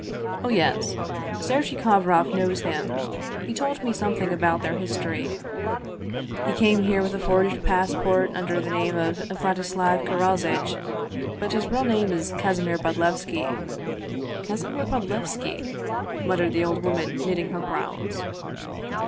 Oh, yes ! Sergei Kovroff knows him; he told me something about their history; he came here with a forged passport, under the name of Vladislav Karozitch, but his real name is Kasi mir Bodlevski." " Kasimir Bodlevski," muttered the old woman, knitting her brows.